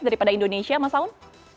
daripada indonesia mas aun